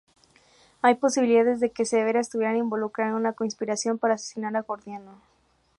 Hay posibilidades de que Severa estuviera involucrada en una conspiración para asesinar a Gordiano.